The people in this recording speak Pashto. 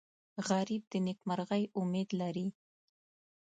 غریب د نیکمرغۍ امید لري